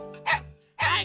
はい！